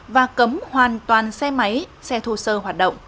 và cấm hoàn toàn xe máy xe thô sơ hoạt động